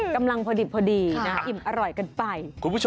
กำลังพอดิบพอดีอิ่มอร่อยกันไป